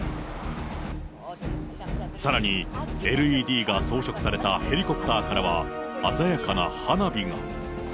さらに、ＬＥＤが装飾されたヘリコプターからは、鮮やかな花火が。